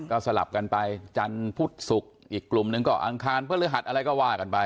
ก็สลับกันไปจันทร์พุธศุกร์อีกกลุ่มหนึ่งก็อังคารพฤหัสอะไรก็ว่ากันไป